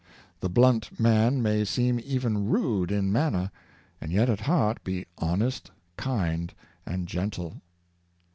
The blunt man may seem even rude in manner, and yet at heart be honest, kind, and gentle.